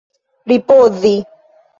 ripozi